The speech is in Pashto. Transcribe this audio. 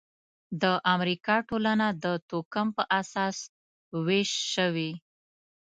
د امریکا ټولنه د توکم پر اساس وېش شوې.